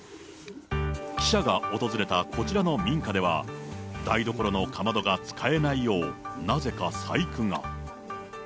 記者が訪れたこちらの民家では、台所のかまどが使えないよう、なぜか細工が。